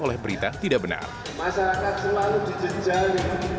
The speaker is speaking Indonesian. masyarakat selalu dijejari